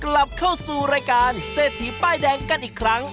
กลับเข้าสู่รายการเศรษฐีป้ายแดงกันอีกครั้ง